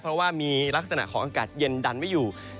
เพราะว่ามีลักษณะของอากาศเย็นดันไว้อยู่